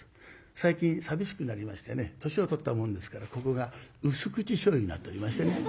最近寂しくなりましてね年を取ったもんですからここが薄口醤油になっておりましてね。